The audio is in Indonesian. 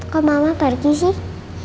kok mama pergi sih